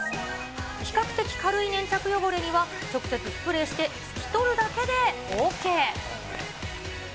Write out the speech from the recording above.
比較的軽い粘着汚れには、直接スプレーして拭き取るだけでＯＫ。